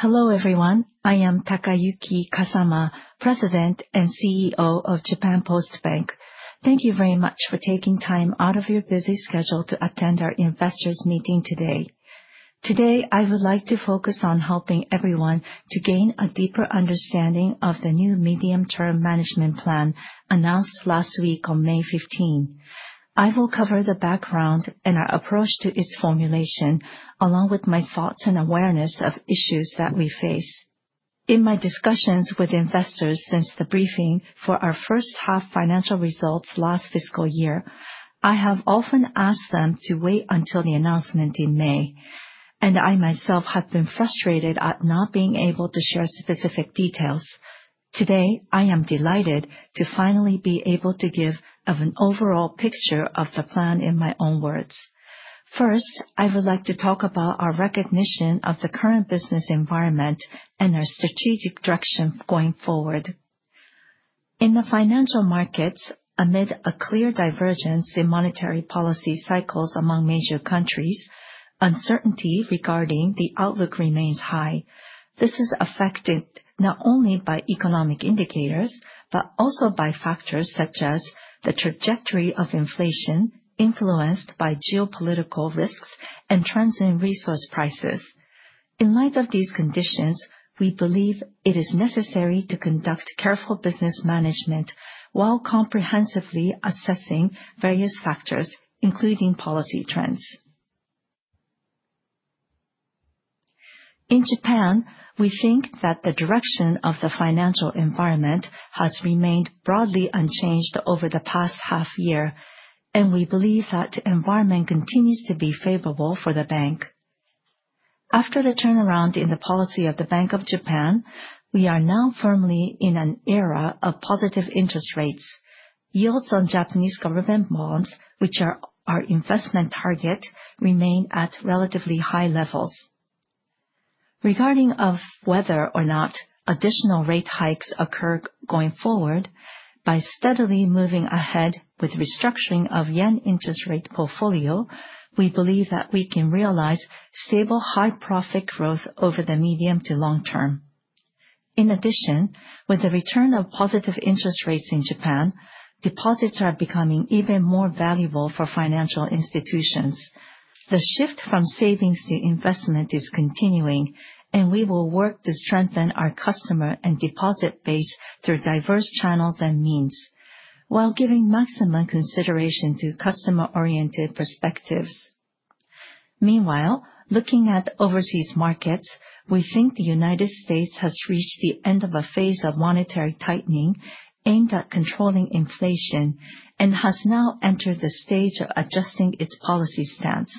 Hello, everyone. I am Takayuki Kasama, President and CEO of JAPAN POST BANK. Thank you very much for taking time out of your busy schedule to attend our investors meeting today. Today, I would like to focus on helping everyone to gain a deeper understanding of the new medium-term management plan announced last week on May 15. I will cover the background and our approach to its formulation, along with my thoughts and awareness of issues that we face. In my discussions with investors since the briefing for our first half financial results last fiscal year, I have often asked them to wait until the announcement in May, and I myself have been frustrated at not being able to share specific details. Today, I am delighted to finally be able to give of an overall picture of the plan in my own words. I would like to talk about our recognition of the current business environment and our strategic direction going forward. In the financial markets, amid a clear divergence in monetary policy cycles among major countries, uncertainty regarding the outlook remains high. This is affected not only by economic indicators, but also by factors such as the trajectory of inflation influenced by geopolitical risks and trends in resource prices. In light of these conditions, we believe it is necessary to conduct careful business management while comprehensively assessing various factors, including policy trends. In Japan, we think that the direction of the financial environment has remained broadly unchanged over the past half year, and we believe that environment continues to be favorable for the bank. After the turnaround in the policy of the Bank of Japan, we are now firmly in an era of positive interest rates. Yields on Japanese government bonds, which are our investment target, remain at relatively high levels. Regarding of whether or not additional rate hikes occur going forward, by steadily moving ahead with restructuring of yen interest rate portfolio, we believe that we can realize stable, high profit growth over the medium to long term. In addition, with the return of positive interest rates in Japan, deposits are becoming even more valuable for financial institutions. The shift from savings to investment is continuing, and we will work to strengthen our customer and deposit base through diverse channels and means, while giving maximum consideration to customer-oriented perspectives. Meanwhile, looking at overseas markets, we think the United States has reached the end of a phase of monetary tightening aimed at controlling inflation and has now entered the stage of adjusting its policy stance.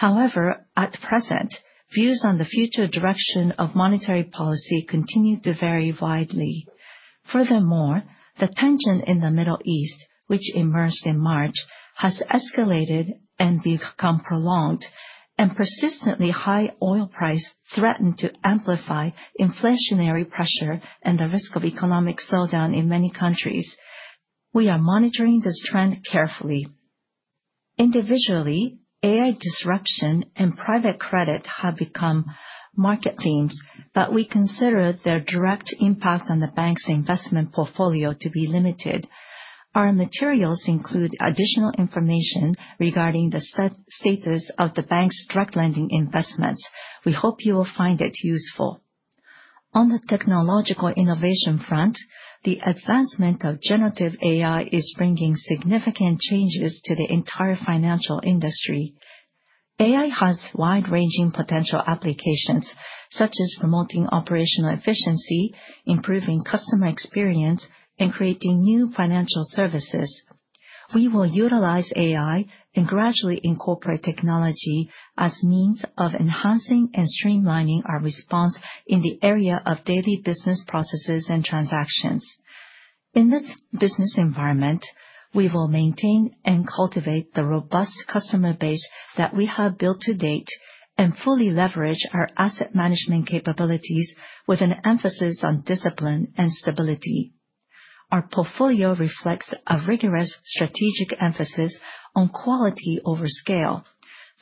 At present, views on the future direction of monetary policy continue to vary widely. The tension in the Middle East, which emerged in March, has escalated and become prolonged, and persistently high oil price threatened to amplify inflationary pressure and the risk of economic slowdown in many countries. We are monitoring this trend carefully. Individually, AI disruption and private credit have become market themes, but we consider their direct impact on the bank's investment portfolio to be limited. Our materials include additional information regarding the status of the bank's direct lending investments. We hope you will find it useful. On the technological innovation front, the advancement of generative AI is bringing significant changes to the entire financial industry. AI has wide-ranging potential applications, such as promoting operational efficiency, improving customer experience, and creating new financial services. We will utilize AI and gradually incorporate technology as means of enhancing and streamlining our response in the area of daily business processes and transactions. In this business environment, we will maintain and cultivate the robust customer base that we have built to date and fully leverage our asset management capabilities with an emphasis on discipline and stability. Our portfolio reflects a rigorous strategic emphasis on quality over scale.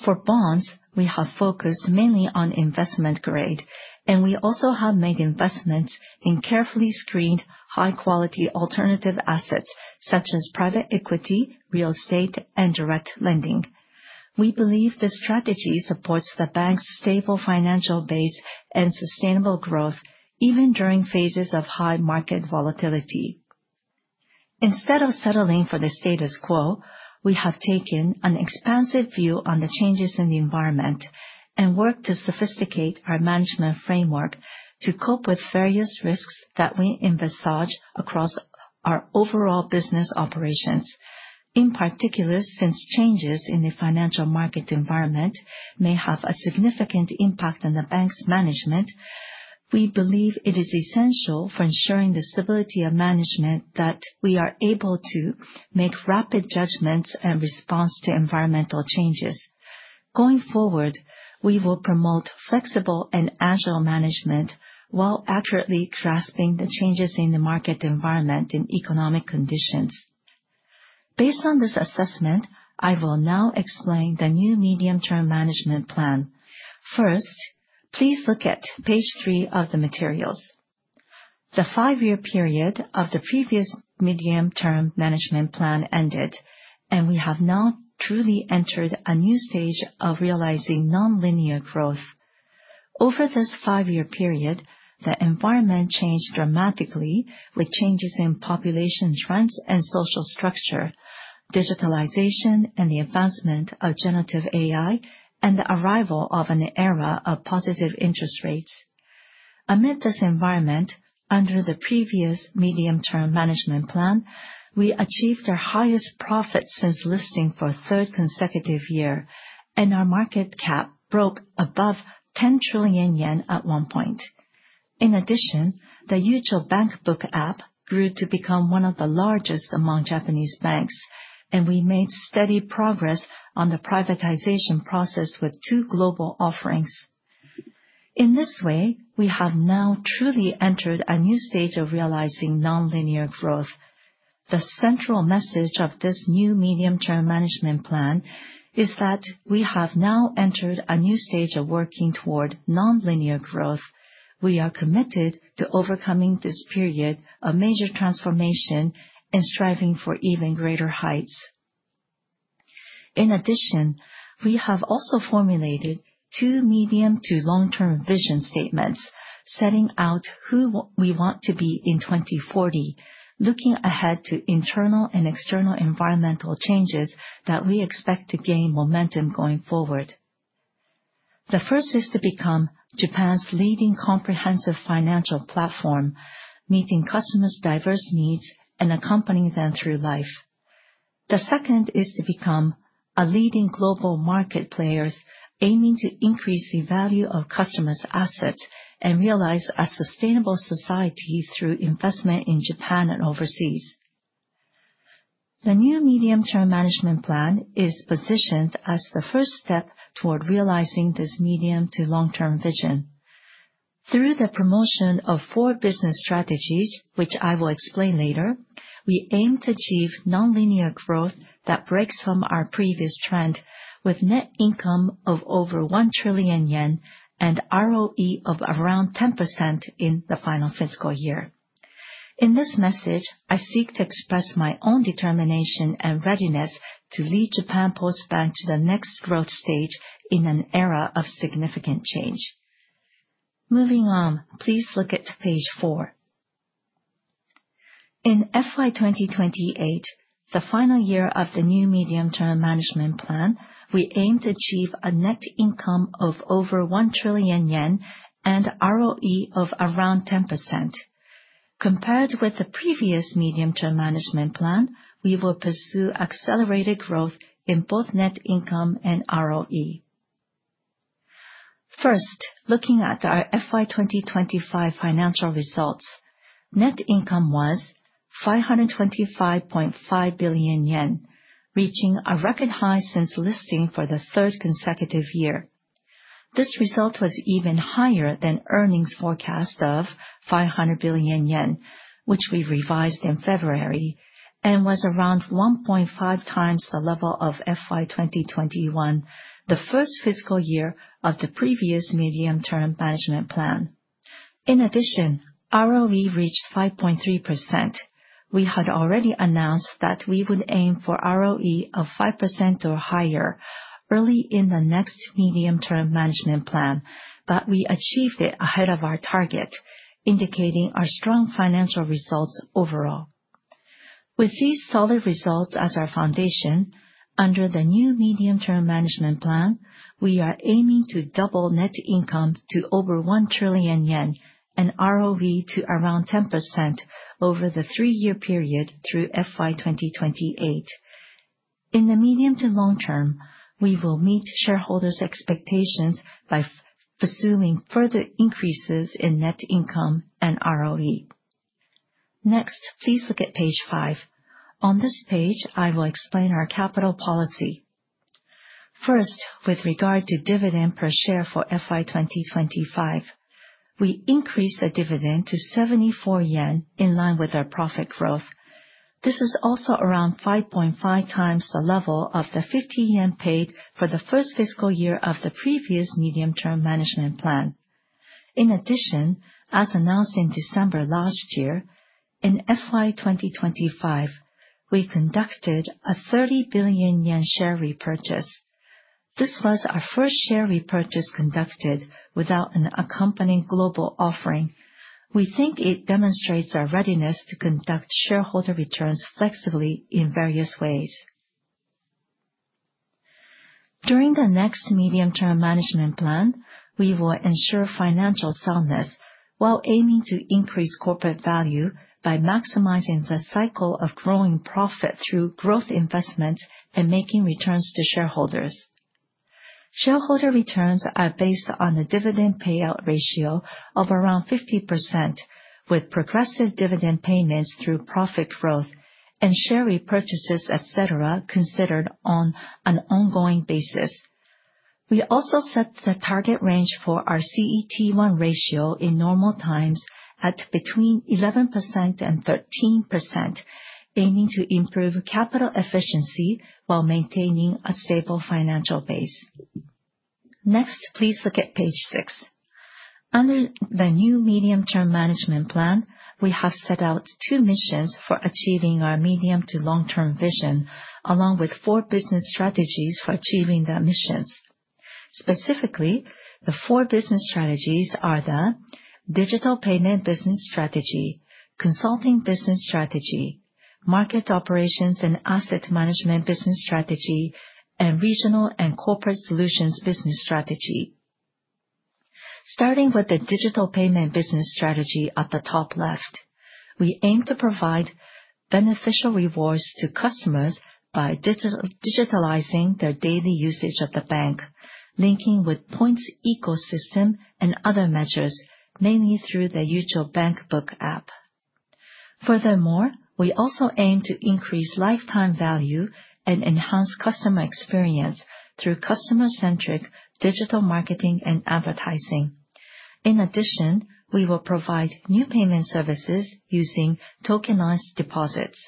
For bonds, we have focused mainly on investment grade, and we also have made investments in carefully screened high-quality alternative assets such as private equity, real estate, and direct lending. We believe this strategy supports the bank's stable financial base and sustainable growth even during phases of high market volatility. Instead of settling for the status quo, we have taken an expansive view on the changes in the environment and worked to sophisticate our management framework to cope with various risks that we envisage across our overall business operations. In particular, since changes in the financial market environment may have a significant impact on the bank's management, we believe it is essential for ensuring the stability of management that we are able to make rapid judgments and response to environmental changes. Going forward, we will promote flexible and agile management while accurately grasping the changes in the market environment and economic conditions. Based on this assessment, I will now explain the new medium-term management plan. First, please look at page three of the materials. The five-year period of the previous medium-term management plan ended, and we have now truly entered a new stage of realizing nonlinear growth. Over this five-year period, the environment changed dramatically with changes in population trends and social structure, digitalization, and the advancement of generative AI, and the arrival of an era of positive interest rates. Amid this environment, under the previous medium-term management plan, we achieved our highest profit since listing for a third consecutive year, and our market cap broke above 10 trillion yen at one point. In addition, the Yucho Bankbook App grew to become one of the largest among Japanese banks, and we made steady progress on the privatization process with two global offerings. In this way, we have now truly entered a new stage of realizing nonlinear growth. The central message of this new medium-term management plan is that we have now entered a new stage of working toward nonlinear growth. We are committed to overcoming this period of major transformation and striving for even greater heights. In addition, we have also formulated two medium to long-term vision statements setting out who we want to be in 2040, looking ahead to internal and external environmental changes that we expect to gain momentum going forward. The first is to become Japan's leading comprehensive financial platform, meeting customers' diverse needs and accompanying them through life. The second is to become a leading global market player, aiming to increase the value of customers' assets and realize a sustainable society through investment in Japan and overseas. The new medium-term management plan is positioned as the first step toward realizing this medium to long-term vision. Through the promotion of four business strategies, which I will explain later, we aim to achieve nonlinear growth that breaks from our previous trend with net income of over 1 trillion yen and ROE of around 10% in the final fiscal year. In this message, I seek to express my own determination and readiness to lead JAPAN POST BANK to the next growth stage in an era of significant change. Moving on, please look at page four. In FY 2028, the final year of the new medium-term management plan, we aim to achieve a net income of over 1 trillion yen and ROE of around 10%. Compared with the previous medium-term management plan, we will pursue accelerated growth in both net income and ROE. First, looking at our FY 2025 financial results, net income was 525.5 billion yen, reaching a record high since listing for the third consecutive year. This result was even higher than earnings forecast of 500 billion yen, which we revised in February, and was around 1.5 times the level of FY 2021, the first fiscal year of the previous medium-term management plan. In addition, ROE reached 5.3%. We had already announced that we would aim for ROE of 5% or higher early in the next medium-term management plan, but we achieved it ahead of our target, indicating our strong financial results overall. With these solid results as our foundation, under the new medium-term management plan, we are aiming to double net income to over 1 trillion yen and ROE to around 10% over the three-year period through FY 2028. In the medium to long term, we will meet shareholders' expectations by pursuing further increases in net income and ROE. Next, please look at page five. On this page, I will explain our capital policy. First, with regard to dividend per share for FY 2025, we increased the dividend to 74 yen in line with our profit growth. This is also around 5.5 times the level of the 50 yen paid for the first fiscal year of the previous medium-term management plan. In addition, as announced in December last year, in FY 2025, we conducted a 30 billion yen share repurchase. This was our first share repurchase conducted without an accompanying global offering. We think it demonstrates our readiness to conduct shareholder returns flexibly in various ways. During the next medium-term management plan, we will ensure financial soundness while aiming to increase corporate value by maximizing the cycle of growing profit through growth investment and making returns to shareholders. Shareholder returns are based on a dividend payout ratio of around 50%, with progressive dividend payments through profit growth and share repurchases, et cetera, considered on an ongoing basis. We also set the target range for our CET1 ratio in normal times at between 11%-13%, aiming to improve capital efficiency while maintaining a stable financial base. Next, please look at page six. Under the new medium-term management plan, we have set out two missions for achieving our medium to long-term vision, along with four business strategies for achieving the missions. Specifically, the four business strategies are the digital payment business strategy, consulting business strategy, market operations and asset management business strategy, and regional and corporate solutions business strategy. Starting with the digital payment business strategy at the top left, we aim to provide beneficial rewards to customers by digitalizing their daily usage of the bank, linking with points ecosystem and other measures, mainly through the Yucho Bankbook App. Furthermore, we also aim to increase lifetime value and enhance customer experience through customer-centric digital marketing and advertising. In addition, we will provide new payment services using tokenized deposits.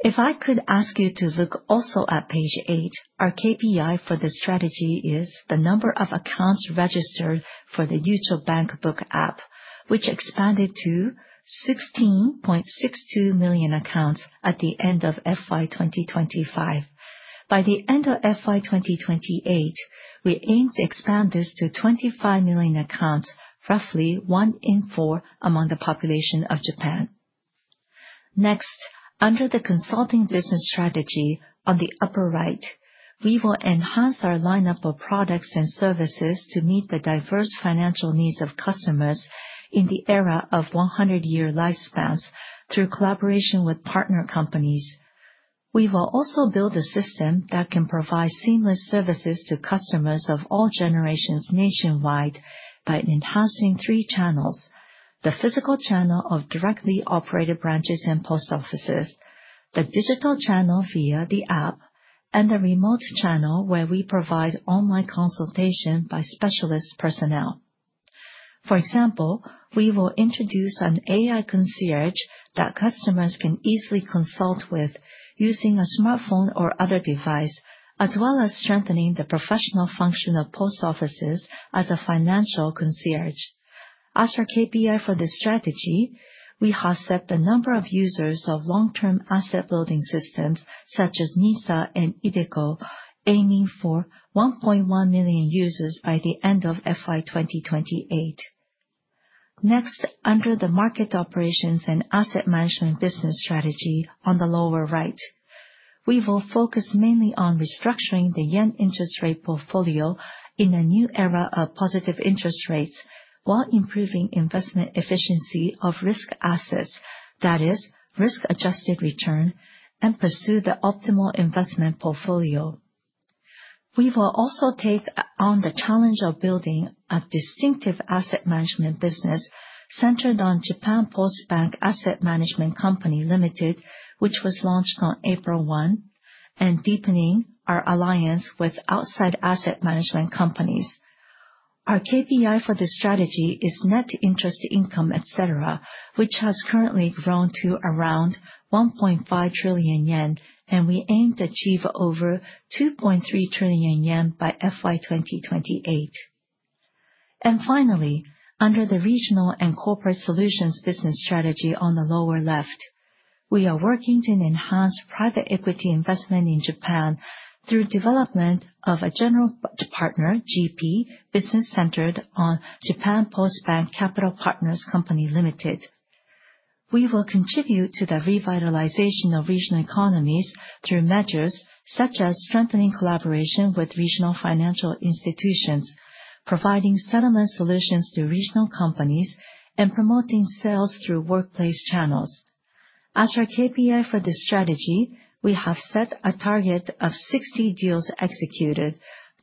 If I could ask you to look also at page eight, our KPI for this strategy is the number of accounts registered for the Yucho Bankbook App, which expanded to 16.62 million accounts at the end of FY 2025. By the end of FY 2028, we aim to expand this to 25 million accounts, roughly one in four among the population of Japan. Under the consulting business strategy on the upper right, we will enhance our lineup of products and services to meet the diverse financial needs of customers in the era of 100-year lifespans through collaboration with partner companies. We will also build a system that can provide seamless services to customers of all generations nationwide by enhancing three channels, the physical channel of directly operated branches and post offices, the digital channel via the app, and the remote channel where we provide online consultation by specialist personnel. For example, we will introduce an AI concierge that customers can easily consult with using a smartphone or other device, as well as strengthening the professional function of post offices as a financial concierge. As our KPI for this strategy, we have set the number of users of long-term asset building systems such as NISA and iDeCo, aiming for 1.1 million users by the end of FY 2028. Under the market operations and asset management business strategy on the lower right, we will focus mainly on restructuring the yen interest rate portfolio in a new era of positive interest rates while improving investment efficiency of risk assets, that is risk-adjusted return, and pursue the optimal investment portfolio. We will also take on the challenge of building a distinctive asset management business centered on Japan Post Bank Asset Management Co., Limited, which was launched on April 1, and deepening our alliance with outside asset management companies. Our KPI for this strategy is net interest income, et cetera, which has currently grown to around 1.5 trillion yen, and we aim to achieve over 2.3 trillion yen by FY 2028. Finally, under the regional and corporate solutions business strategy on the lower left, we are working to enhance private equity investment in Japan through development of a general partner, GP, business centered on Japan Post Bank Capital Partners Co., Limited. We will contribute to the revitalization of regional economies through measures such as strengthening collaboration with regional financial institutions, providing settlement solutions to regional companies, and promoting sales through workplace channels. As our KPI for this strategy, we have set a target of 60 deals executed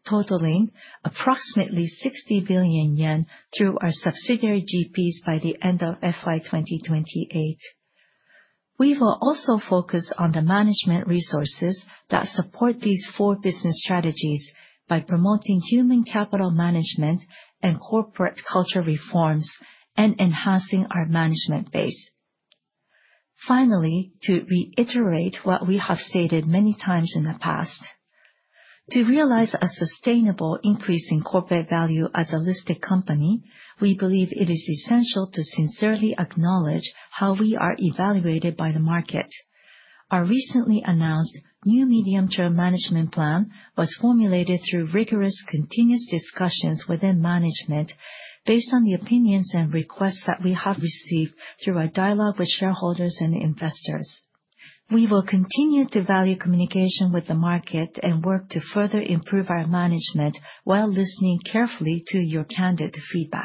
totaling approximately 60 billion yen through our subsidiary GPs by the end of FY 2028. We will also focus on the management resources that support these four business strategies by promoting human capital management and corporate culture reforms and enhancing our management base. Finally, to reiterate what we have stated many times in the past, to realize a sustainable increase in corporate value as a listed company, we believe it is essential to sincerely acknowledge how we are evaluated by the market. Our recently announced new medium-term management plan was formulated through rigorous continuous discussions within management based on the opinions and requests that we have received through our dialogue with shareholders and investors. We will continue to value communication with the market and work to further improve our management while listening carefully to your candid feedback.